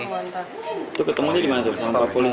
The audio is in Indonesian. itu ketemunya dimana tuh